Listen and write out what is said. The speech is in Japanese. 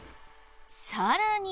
さらに。